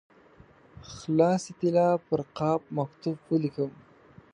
خالصې طلا پر قاب مکتوب ولیکم.